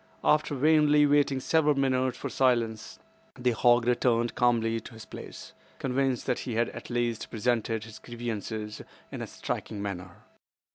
After vainly waiting several minutes for silence the hog returned calmly to his place, convinced that he had at least presented his grievances in a striking manner.